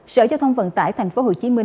sở giao thông vận tải tp hcm